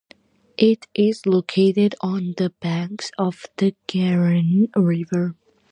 It is located on the banks of the Garonne river.